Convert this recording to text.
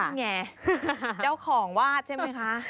นี่ไงเจ้าของวาดใช่ไหมคะ